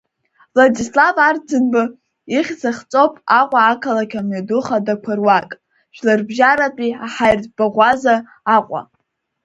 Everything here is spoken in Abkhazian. Владислав Арӡынба ихьӡ ахҵоуп Аҟәа ақалақь амҩаду хадақәа руак, Жәларбжьаратәи аҳаиртә баӷәаза Аҟәа.